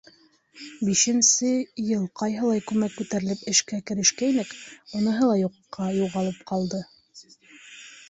Бишенсе йыл ҡайһылай күмәк күтәрелеп эшкә керешкәйнек, уныһы ла юҡҡа юғалып ҡалды.